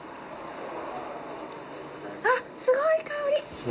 あっすごい香り。